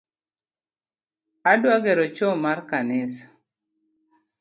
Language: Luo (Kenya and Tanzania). Adwa gero choo mar kanisa